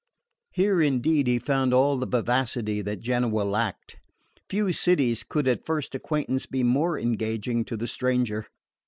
Here indeed he found all the vivacity that Genoa lacked. Few cities could at first acquaintance be more engaging to the stranger.